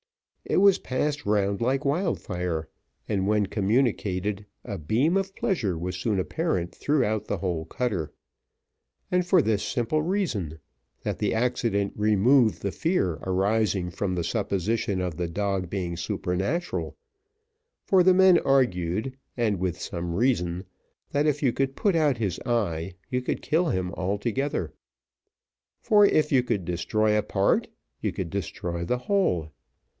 It was passed round like wildfire, and, when communicated, a beam of pleasure was soon apparent throughout the whole cutter, and for this simple reason, that the accident removed the fear arising from the supposition of the dog being supernatural, for the men argued, and with some reason, that if you could put out his eye, you could kill him altogether; for if you could destroy a part, you could destroy the whole.